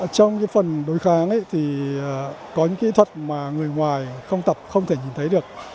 trong phần đối kháng thì có những kỹ thuật mà người ngoài không tập không thể nhìn thấy được